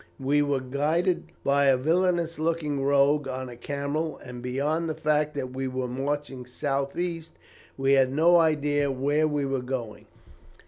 We were guided by a villainous looking rogue on a camel, and beyond the fact that we were marching south east, we had no idea where we were going.